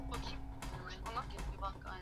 natarajia kufanya zoezi la kuhakiki idadi ya watu